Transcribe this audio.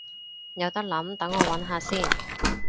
有得諗，等我搵下先